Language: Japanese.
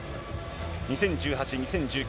２０１８、２０１９